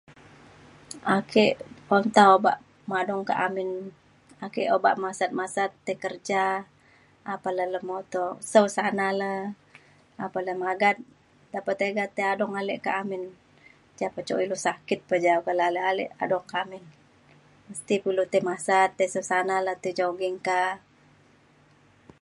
Ake un tau madung kak amin, ake obak masat - masat tai kerja , ak palai pakai moto. Mesau sa'na le, apan ilu magat, ek pa tega madung alek ta amin, cuk ilu sakit pa ja lok ben alek - alek madung kak amin. Mesti pa ilu tai masat, tei musit sana la, tei jogging ka